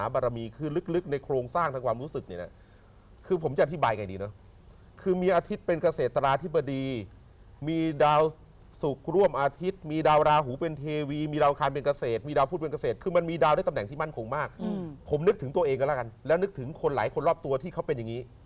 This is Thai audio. ผมนึกถึงตัวเองก็แล้วกันแล้วนึกถึงคนหลายคนรอบตัวที่เขาเป็นอย่างนี้